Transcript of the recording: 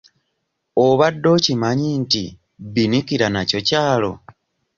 Obadde okimanyi nti Bbinikira nakyo kyalo?